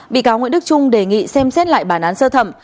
bị cáo nguyễn đức trung đề nghị xem xét lại bản án sơ thẩm